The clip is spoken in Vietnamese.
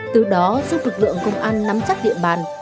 từ đó giúp lực lượng công an nắm chắc địa bàn